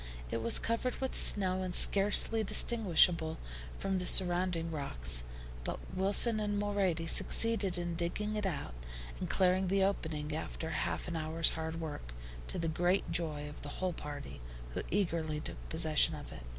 It was covered with snow, and scarcely distinguishable from the surrounding rocks; but Wilson and Mulrady succeeded in digging it out and clearing the opening after half an hour's hard work, to the great joy of the whole party, who eagerly took possession of it.